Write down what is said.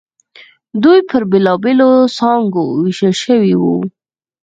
دوی پر بېلابېلو څانګو وېشل شوي وو.